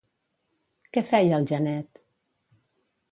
Què feia el Janet?